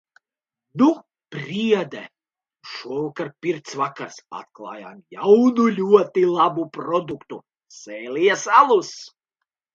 Nu... priede. Šovakar pirts vakars. Atklājām jaunu, ļoti labu produktu – "Sēlijas alus".